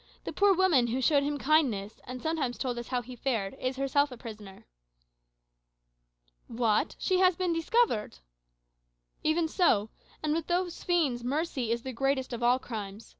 The poor woman who showed him kindness, and sometimes told us how he fared, is herself a prisoner." "What! she has been discovered?" "Even so: and with those fiends mercy is the greatest of all crimes.